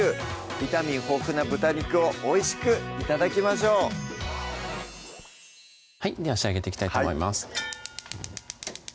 ビタミン豊富な豚肉をおいしく頂きましょうでは仕上げていきたいと思います